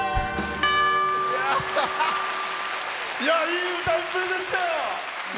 いい歌いっぷりでしたよ。